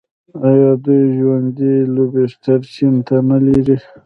آیا دوی ژوندي لوبسټر چین ته نه لیږي؟